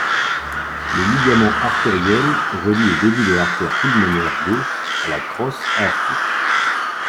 Le ligament artériel relie le début de l'artère pulmonaire gauche à la crosse aortique.